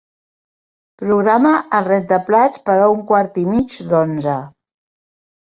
Programa el rentaplats per a un quart i mig d'onze.